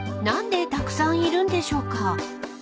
［何でたくさんいるんでしょうか］